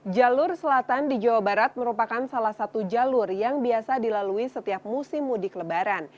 jalur selatan di jawa barat merupakan salah satu jalur yang biasa dilalui setiap musim mudik lebaran